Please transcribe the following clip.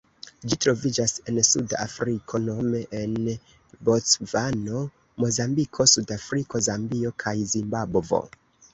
Ĝi troviĝas en Suda Afriko nome en Bocvano, Mozambiko, Sudafriko, Zambio kaj Zimbabvo.